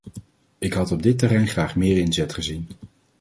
Ik had op dit terrein graag meer inzet gezien.